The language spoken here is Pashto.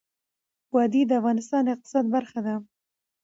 وادي د افغانستان د اقتصاد برخه ده.